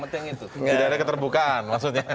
tidak ada keterbukaan maksudnya